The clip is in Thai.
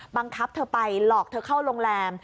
บังคับเธอไปหลอกเธอเข้าโรงแรม